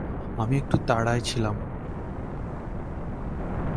আমি একটু তাড়ায় ছিলাম।